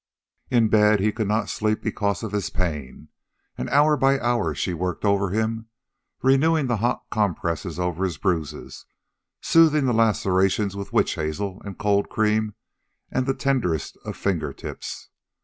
In bed, he could not sleep because of his pain, and hour by hour she worked over him, renewing the hot compresses over his bruises, soothing the lacerations with witch hazel and cold cream and the tenderest of finger tips.